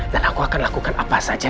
aku akan lakukan apa saja